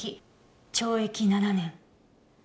懲役７年。